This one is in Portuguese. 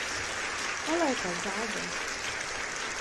Ela é casada?